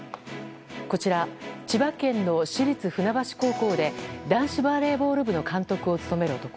こちら千葉県の市立船橋高校で男子バレーボール部の監督を務める男。